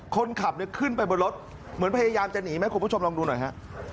คนขับเนี่ยขึ้นไปบนรถเหมือนพยายามจะหนีไหมคุณผู้ชมลองดูหน่อยฮะ